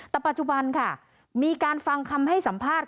แต่ปัจจุบันค่ะมีการฟังคำให้สัมภาษณ์